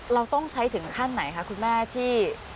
เราต้องใช้ถึงขั้นไหนคะคุณแม่ที่